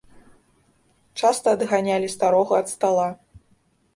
Часта адганялі старога ад стала.